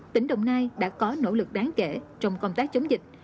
tỉnh đồng nai đã có nỗ lực đáng kể trong công tác chống dịch